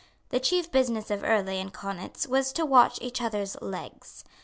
The chief business of Earlay and Kaunitz was to watch each other's legs.